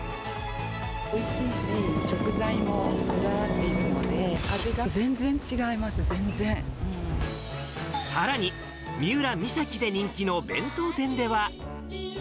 おいしいし、食材もこだわっているので、さらに、三浦・三崎で人気の弁当店では。